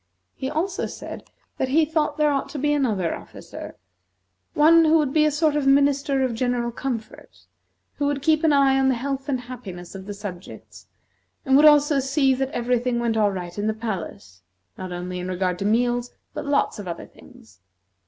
He also said, that he thought there ought to be another officer, one who would be a sort of Minister of General Comfort, who would keep an eye on the health and happiness of the subjects, and would also see that every thing went all right in the palace, not only in regard to meals, but lots of other things.